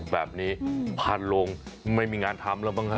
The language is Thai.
แบบนี้พันลงไม่มีงานทำแล้วมั้งฮะ